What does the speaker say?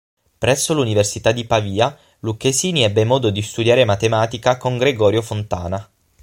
Presso l'università di Pavia Lucchesini ebbe modo di studiare matematica con Gregorio Fontana.